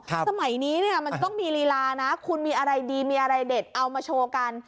สมัยนี้เนี่ยมันต้องมีลีลานะคุณมีอะไรดีมีอะไรเด็ดเอามาโชว์กัน